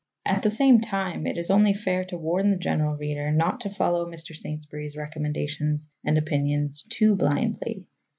At the same time, it is only fair to warn the general reader not to follow Mr. Saintsbury's recommendations and opinions too blindly.